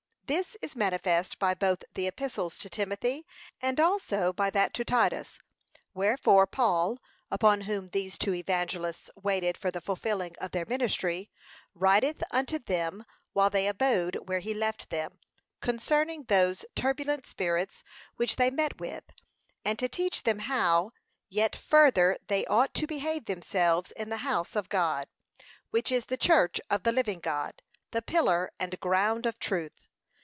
This is manifest by both the epistles to Timothy, and also by that to Titus: wherefore Paul, upon whom these two evangelists waited for the fulfilling of their ministry, writeth unto them while they abode where he left them, concerning those turbulent spirits which they met with, and to teach them how yet further they ought to behave themselves in the house of God, which is the church of the living God, the pillar and ground of truth.